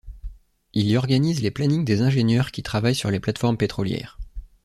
Il y organise les plannings des ingénieurs qui travaillent sur les plates-formes pétrolières.